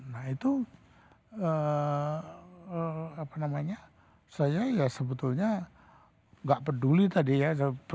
nah itu apa namanya saya ya sebetulnya nggak peduli tadi ya